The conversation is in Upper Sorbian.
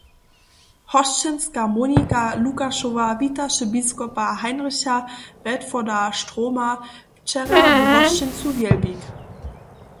Hosćencarka Monika Lukašowa witaše biskopa Heinricha Bedforda-Strohma wčera w hosćencu Wjelbik.